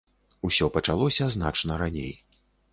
Усё пачалося значна раней.